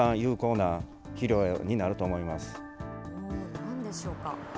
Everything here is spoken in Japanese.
なんでしょうか。